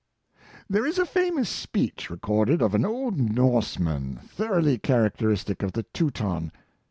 ^|HERE is a famous speech recorded of an old Norseman, thoroughly characteristic of the Teuton.